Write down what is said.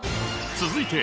続いて